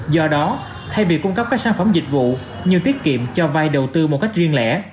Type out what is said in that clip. do đó thay vì cung cấp các sản phẩm dịch vụ như tiết kiệm cho vay đầu tư một cách riêng lẻ